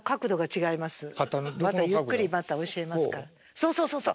そうそうそうそう。